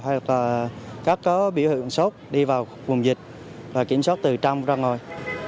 hay các biểu hiện sốt đi vào vùng dịch và kiểm soát từ trong ra ngồi